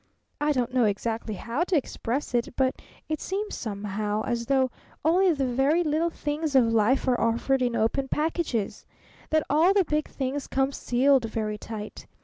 I don't know exactly how to express it, but it seems somehow as though only the very little things of Life are offered in open packages that all the big things come sealed very tight.